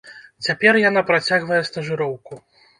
Цяпер яна працягвае стажыроўку.